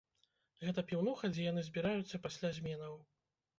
Гэта піўнуха, дзе яны збіраюцца пасля зменаў.